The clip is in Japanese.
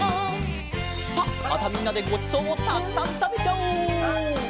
さあまたみんなでごちそうをたくさんたべちゃおう。